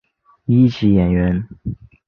一级演员。